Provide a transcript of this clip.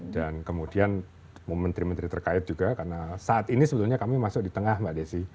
dan kemudian menteri menteri terkait juga karena saat ini sebetulnya kami masuk di tengah mbak desi